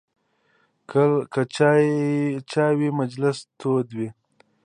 که چای وي، مجلس تود وي.